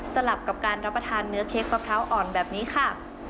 ลับกับการรับประทานเนื้อเค้กมะพร้าวอ่อนแบบนี้ค่ะ